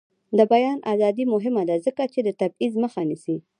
د بیان ازادي مهمه ده ځکه چې د تبعیض مخه نیسي.